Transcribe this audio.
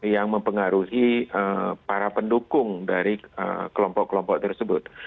yang mempengaruhi para pendukung dari kelompok kelompok tersebut